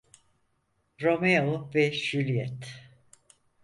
Romeo ve Juliet.